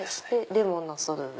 レモンのソルベ。